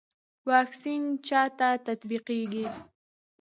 واکسین چا ته تطبیقیږي؟